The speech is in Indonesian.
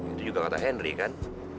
itu juga kata henry kan